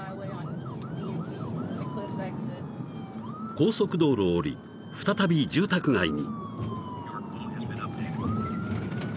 ［高速道路を降り再び住宅街に］